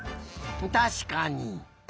たしかに。